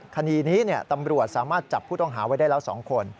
คดีนี้ตำรวจสามารถจับผู้ต้องหาไว้ได้แล้ว๒คน